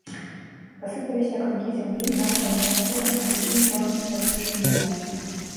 Пасыпаліся камкі зямлі, нас абняло курам і густым, чорным смярдзючым дымам.